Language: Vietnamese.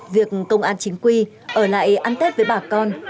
việc công an chính quy ở lại ăn tết với bà con